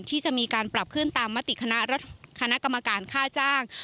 ที่จะมีการปรับขึ้นตามมติคณะกรรมการค่าจ้าง